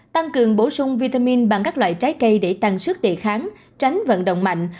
tăng cường bổ sung vitamin bằng các loại trái cây để tăng sức đề kháng tránh vận động mạnh